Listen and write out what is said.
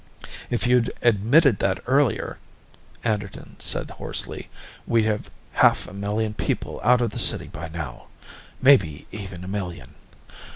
"If you'd admitted that earlier," Anderton said hoarsely, "we'd have half a million people out of the city by now. Maybe even a million."